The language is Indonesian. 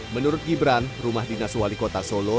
menurut gibran rumah dinas wali kota solo